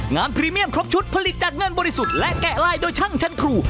พรีเมียมครบชุดผลิตจากเงินบริสุทธิ์และแกะลายโดยช่างชั้นครู